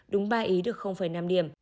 đúng ba ý được năm điểm